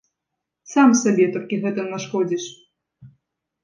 Сам сабе толькі гэтым нашкодзіш.